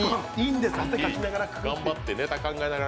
汗かきながら。